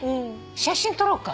写真撮ろうか。